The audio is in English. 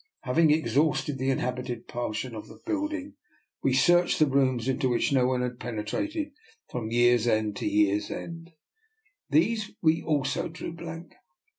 Having ex hausted the inhabited portion of the build ing, we searched the rooms into which no one had penetrated from year's end to year's end. These we also drew blank.